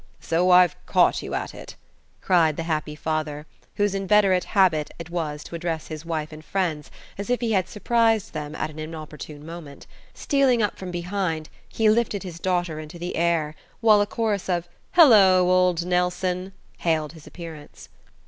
So I've caught you at it!" cried the happy father, whose inveterate habit it was to address his wife and friends as if he had surprised them at an inopportune moment. Stealing up from behind, he lifted his daughter into the air, while a chorus of "Hello, old Nelson," hailed his appearance.